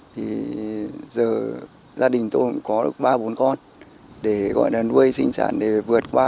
thì giờ gia đình tôi cũng có được ba bốn con để nuôi sinh sản để vượt qua